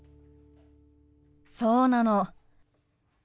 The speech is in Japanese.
そうなの。